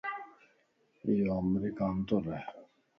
ايو امريڪا مَ تورهه